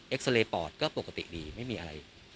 ซาเรย์ปอดก็ปกติดีไม่มีอะไร